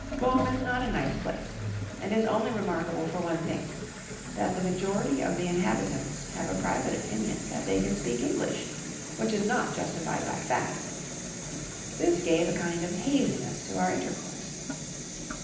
Boom is not a nice place, and is only remarkable for one thing: that the majority of the inhabitants have a private opinion that they can speak English, which is not justified by fact. This gave a kind of haziness to our intercourse.